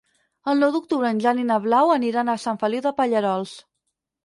El nou d'octubre en Jan i na Blau aniran a Sant Feliu de Pallerols.